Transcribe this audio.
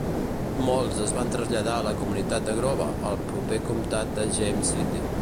Molts es van traslladar a la comunitat de Grove, al proper comtat de James City.